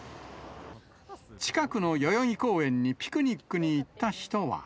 近くの代々木公園にピクニックに行った人は。